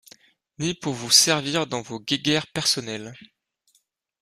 Ni pour vous servir dans vos guéguerres personnelles.